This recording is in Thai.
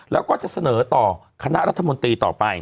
แล้วก็จะเสนอต่อคณะรัฐมนตรีต่อไป